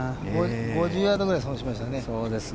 ５０ヤードくらい損しましたね。